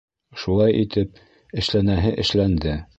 Шулай итеп, эшләнәһе эшләнде.